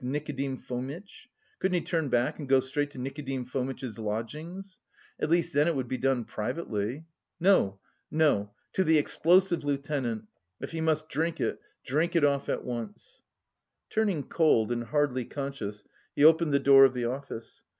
To Nikodim Fomitch? Couldn't he turn back and go straight to Nikodim Fomitch's lodgings? At least then it would be done privately.... No, no! To the "explosive lieutenant"! If he must drink it, drink it off at once. Turning cold and hardly conscious, he opened the door of the office.